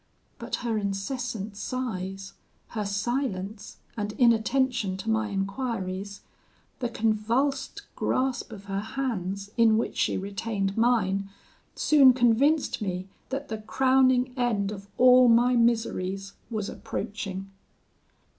But her incessant sighs, her silence, and inattention to my enquiries, the convulsed grasp of her hands, in which she retained mine, soon convinced me that the crowning end of all my miseries was approaching.